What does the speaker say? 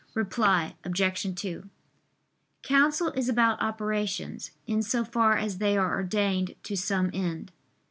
Reply Obj. 2: Counsel is about operations, in so far as they are ordained to some end.